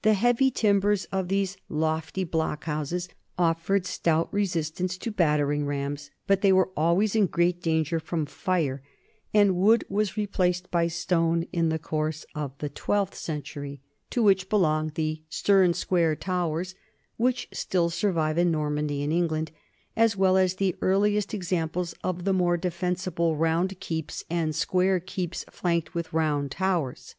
The heavy timbers of these lofty block houses offered stout resistance to battering rams, but they were always in great danger from fire, and wood was replaced by 152 NORMANS IN EUROPEAN HISTORY stone in the course of the twelfth century, to which belong the 'stern square towers' which still survive in Normandy and England, as well as the earliest examples of the more defensible round keeps and square keeps flanked with round towers.